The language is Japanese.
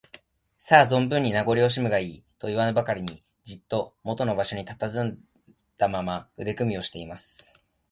「さあ、ぞんぶんに名ごりをおしむがいい」といわぬばかりに、じっともとの場所にたたずんだまま、腕組みをしています。